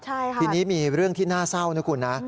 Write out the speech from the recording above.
ใช่ค่ะทีนี้มีเรื่องที่น่าเศร้านะคุณนะ